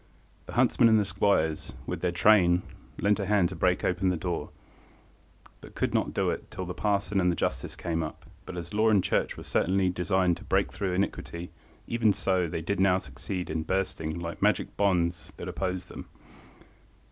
The huntsman and the squires, with their train, lent a hand to break open the door, but could not do it till the parson and the justice came up, but as law and church were certainly designed to break through iniquity, even so did they now succeed in bursting the magic bonds that opposed them.